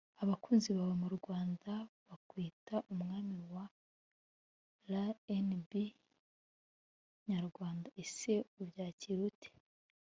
Abakunzi bawe mu Rwanda bakwita Umwami wa R’N’B nyarwanda ese ubyakira ute